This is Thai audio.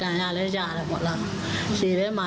แล้วเป็นแผลที่นี่ใช่มั้ย